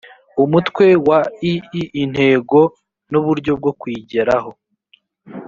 umutwe wa ii intego n’uburyo bwo kuyigeraho